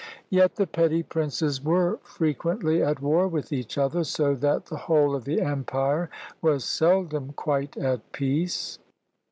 Yet the petty princes were frequently at war with each other, so that the whole of the empire was seldom quite at peace.